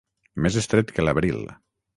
Més estret que l'abril.